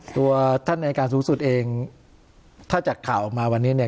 ตัวท่านอายการสูงสุดเองถ้าจากข่าวออกมาวันนี้เนี่ย